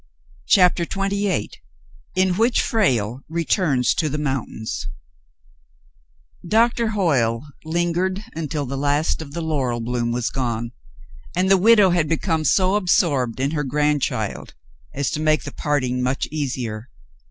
CHAPTER XXVIII IN WHICH FRALE RETURNS TO THE MOUNTAINS Doctor Hoyle lingered until the last of the laurel bloom was gone, and the widow had become so absorbed in her grandchild as to make the parting much easier.